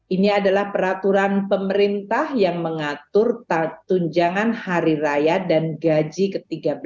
ini adalah peraturan pemerintah yang mengatur tunjangan hari raya dan gaji ke tiga belas